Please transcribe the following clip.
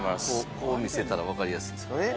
こう見せたらわかりやすいですかね。